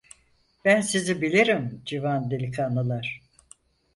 Ben sizi bilirim, civan delikanlılar.